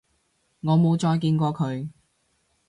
我冇再見過佢